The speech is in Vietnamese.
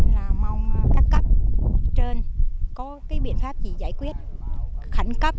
tôi mong các cấp trên có biện pháp gì giải quyết khẳng cấp